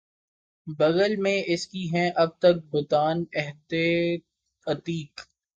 بغل میں اس کی ہیں اب تک بتان عہد عتیق